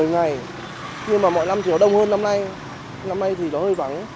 một mươi ngày nhưng mà mọi năm thì nó đông hơn năm nay năm nay thì nó hơi vắng